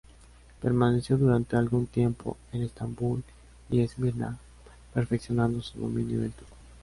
Permaneció durante algún tiempo en Estambul y Esmirna, perfeccionando su dominio del turco.